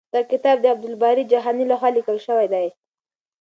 دغه کتاب د عبدالباري جهاني لخوا لیکل شوی دی.